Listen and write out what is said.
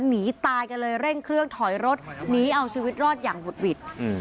หนีตายกันเลยเร่งเครื่องถอยรถหนีเอาชีวิตรอดอย่างบุดหวิด